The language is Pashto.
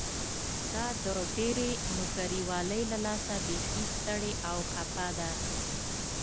دا د ډېرې نوکري والۍ له لاسه بيخي ستړې او خپه ده.